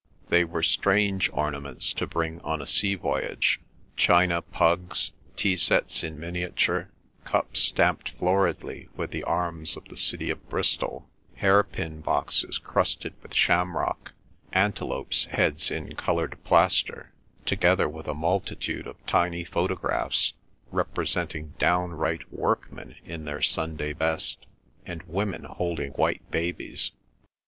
They were strange ornaments to bring on a sea voyage—china pugs, tea sets in miniature, cups stamped floridly with the arms of the city of Bristol, hair pin boxes crusted with shamrock, antelopes' heads in coloured plaster, together with a multitude of tiny photographs, representing downright workmen in their Sunday best, and women holding white babies.